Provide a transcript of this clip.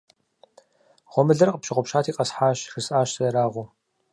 - Гъуэмылэр къыпщыгъупщати къэсхьащ! - жысӀащ сэ ерагъыу.